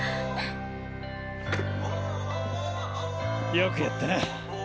よくやったな。